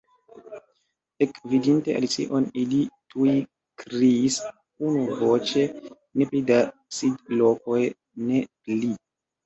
Ekvidinte Alicion, ili tuj kriis unuvoĉe. "Ne pli da sidlokoj, ne pli!"